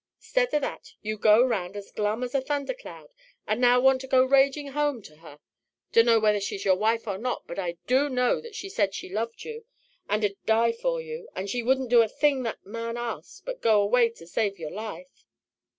'Stead of that, you go round as glum as a thundercloud and now want to go ragin' home to her. Dunno whether she's your wife or not, but I DO know she said she loved you and 'ud die for you, and she wouldn't do a thing that man asked but go away to save your life."